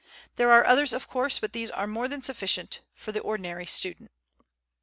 There are others, of course, but these are more than sufficient for the ordinary student.